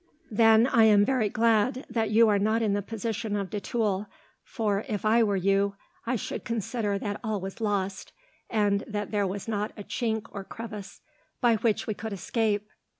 "Then I am very glad that you are not in the position of de Tulle, for, if you were, I should consider that all was lost, and that there was not a chink or crevice by which we could escape.